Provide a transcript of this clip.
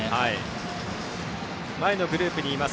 前のグループにいます